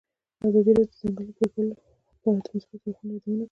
ازادي راډیو د د ځنګلونو پرېکول د مثبتو اړخونو یادونه کړې.